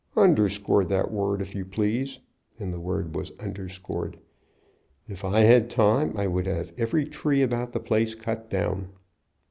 "Underscore that word, if you please;" and the word was underscored. "If I had time I would have every tree about the place cut down."